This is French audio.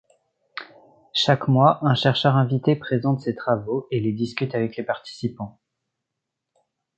Chaque mois, un chercheur invité présente ses travaux et les discute avec les participants.